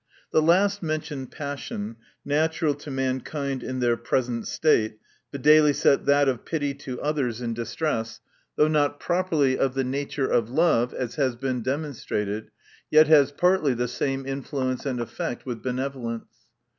The last mentioned passion, natural to mankind in their present state, viz., that of pity to others in distress, though not properly of the nature of love, as has been demonstrated, yet has partly the same influence and effect with benevo lence.